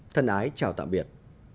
thân ái chào tạm biệt